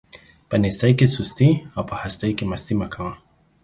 په نيستۍ کې سستي او په هستۍ کې مستي مه کوه.